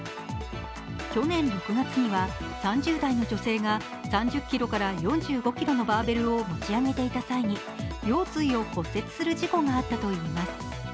去年６月には３０代の女性が３０ｋｇから４５ｋｇのバーベルを持ち上げていた際に腰椎を骨折する事故があったといいます。